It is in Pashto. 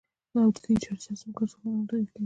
او دې چارې سره زموږ ارزښتونه هم تغيير کوي.